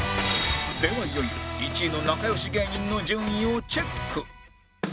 ではいよいよ１位の仲良し芸人の順位をチェック